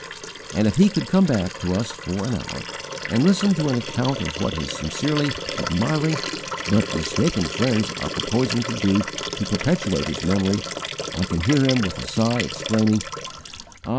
'_ And if he could come back to us for an hour, and listen to an account of what his sincerely admiring, but mistaken, friends are proposing to do to perpetuate his memory, I can hear him, with a sigh, exclaiming, 'Ah!